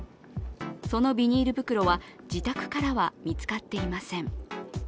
そのビニール袋は自宅からは見つかっていません。